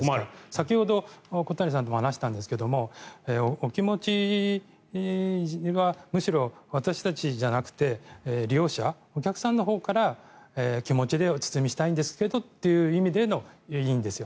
先ほど小谷さんとも話したんですがお気持ちはむしろ私たちじゃなくて利用者、お客さんのほうから気持ちでお包みしたいんですけどっていう意味でいいんですよ。